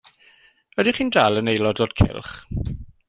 Ydych chi'n dal yn aelod o'r cylch?